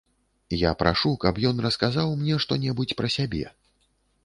Я прашу, каб ён расказаў мне што-небудзь пра сябе.